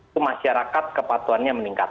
kemasyarakat kepatuhannya meningkat